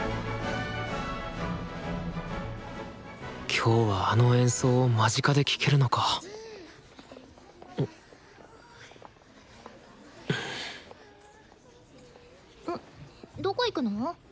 今日はあの演奏を間近で聴けるのかどこ行くの？